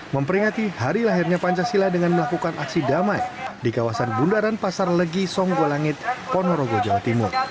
memperingati hari lahirnya pancasila dengan melakukan aksi damai di kawasan bundaran pasar legi songgolangit ponorogo jawa timur